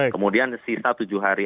kemudian sisa tujuh hari